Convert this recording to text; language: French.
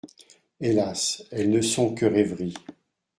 Hélas ! elles ne sont que rêveries.